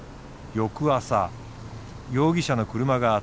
翌朝容疑者の車があった。